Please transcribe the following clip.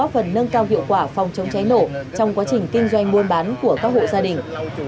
phần nâng cao hiệu quả phòng chống cháy nổ trong quá trình kinh doanh buôn bán của các hộ gia đình